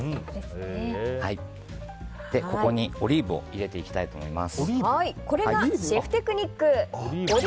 ここにオリーブを入れていきたいと思います。